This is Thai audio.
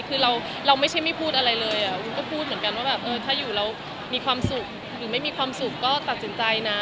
คือเราไม่ใช่ไม่พูดอะไรเลยวุ้นก็พูดเหมือนกันว่าแบบเออถ้าอยู่เรามีความสุขหรือไม่มีความสุขก็ตัดสินใจนะ